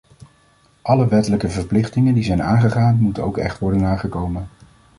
Alle wettelijke verplichtingen die zijn aangegaan, moeten ook echt worden nagekomen.